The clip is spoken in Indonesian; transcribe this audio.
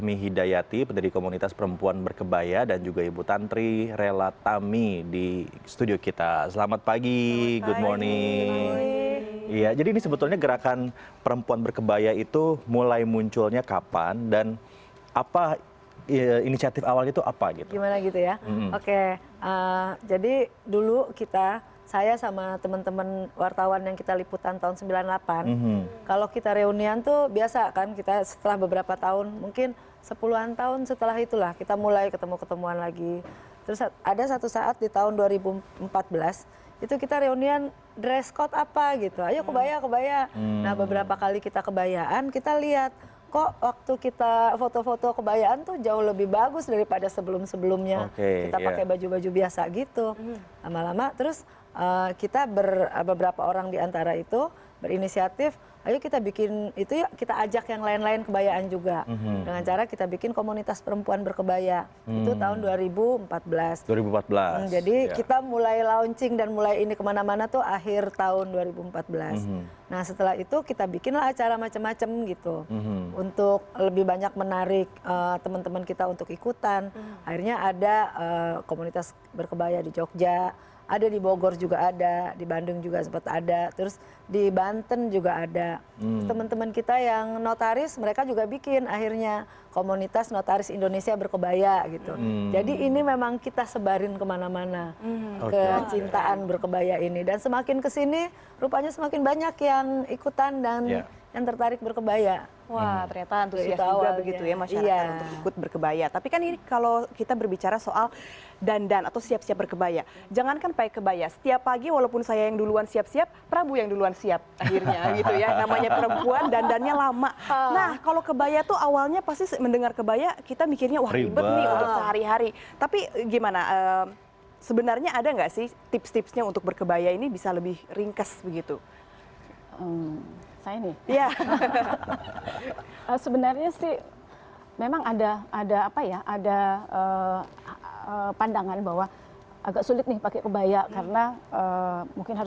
mending mudah mudahan ini juga perbincangannya bisa menggerakkan pemerintah di rumah ibu ibu di rumah untuk minimal selasa berkebaya dulu